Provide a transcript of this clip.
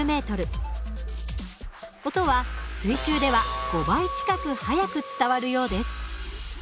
音は水中では５倍近く速く伝わるようです。